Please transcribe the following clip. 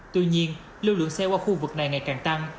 tuy nhiên lưu lượng xe qua khu vực này ngày càng tăng